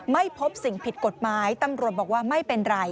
ไม่พบสิ่งผิดกฎหมายตำรวจบอกว่าไม่เป็นไร